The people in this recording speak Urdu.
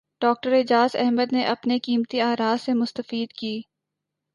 ڈاکٹر اعجاز احمد نے اپنے قیمتی اراءسے مستفید کی